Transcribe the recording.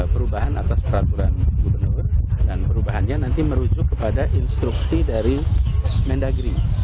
perubahan atas peraturan gubernur dan perubahannya nanti merujuk kepada instruksi dari mendagri